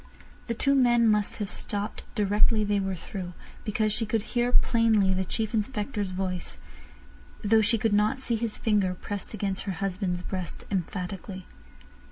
The two men must have stopped directly they were through, because she heard plainly the Chief Inspector's voice, though she could not see his finger pressed against her husband's breast emphatically.